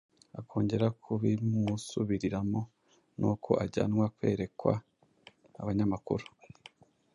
akongera kubimusubiriramo, nuko ajyanwa kwerekwa abanyamakuru